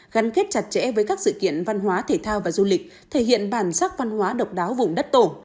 gắn kết chặt chẽ với các sự kiện văn hóa thể thao và du lịch thể hiện bản sắc văn hóa độc đáo vùng đất tổ